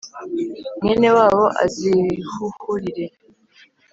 mwene wabo azihuhurire.